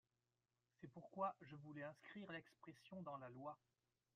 C’est pourquoi je voulais inscrire l’expression dans la loi.